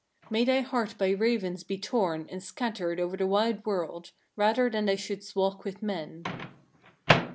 May thy heart by ravens be torn and scattered over the wide world, rather than thou shouldst walk with men."